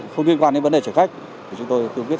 với người điều khiển phương tiện